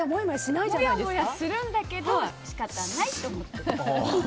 もやもやするんだけど仕方ないと思ってる。